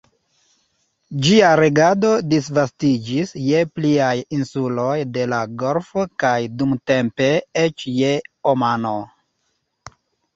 Ĝia regado disvastiĝis je pliaj insuloj de la golfo kaj dumtempe eĉ je Omano.